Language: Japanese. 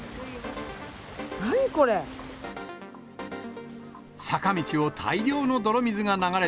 何これ？